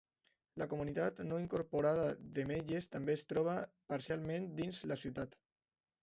La comunitat no incorporada de Meggers també es troba parcialment dins la ciutat.